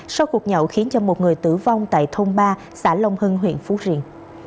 sau cuộc nhậu khiến một người tử vong tại thôn ba xã long hưng huyện phú riền